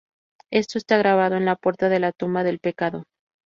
Esto está grabado en la puerta de la tumba del pecado.